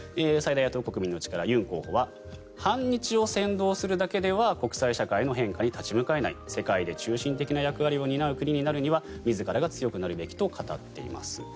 最大野党・国民の力ユン候補は反日を扇動するだけでは国際社会の変化に立ち向かえない世界で中心的な役割を担う国になるには自らが強くなるべきと語っています。